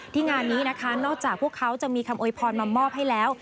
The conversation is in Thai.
งานนี้นะคะนอกจากพวกเขาจะมีคำโวยพรมามอบให้แล้ว